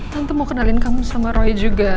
tante mau kenalin kamu sama roy juga